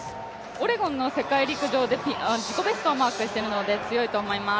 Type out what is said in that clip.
オレゴンの世界陸上で自己ベストをマークしているので強いと思います。